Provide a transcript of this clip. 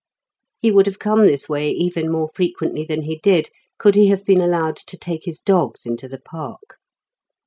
He would have come this way even more frequently than he did could he have been allowed to take his dogs into the park.